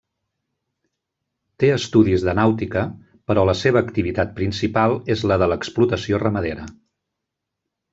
Té estudis de nàutica, però la seva activitat principal és la de l'explotació ramadera.